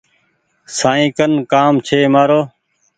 سائين ڪن ڪآم ڇي مآرو ۔